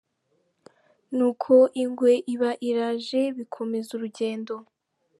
Nuko ingwe iba iraje, bikomeza urugendo.